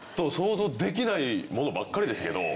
想像できないものばっかり。